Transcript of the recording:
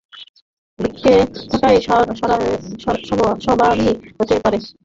বৃক্কে পাথর সবারই হতে পারে।